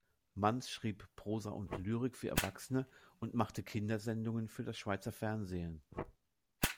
Manz schrieb Prosa und Lyrik für Erwachsene und machte Kindersendungen für das Schweizer Fernsehen.